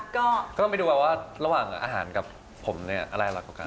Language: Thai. ก็ต้องไปดูว่าระหว่างอาหารกับผมอะไรอร่อยกว่ากัน